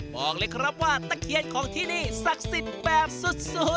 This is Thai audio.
บอกเลยครับว่าตะเคียนของที่นี่ศักดิ์สิทธิ์แบบสุด